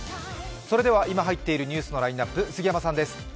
それでは今入っているニュースのラインナップ、杉山さんです。